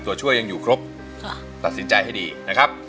ตัวช่วยยังอยู่ครบตัดสินใจให้ดีนะครับ